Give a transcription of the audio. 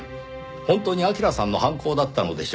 本当に明良さんの犯行だったのでしょうか？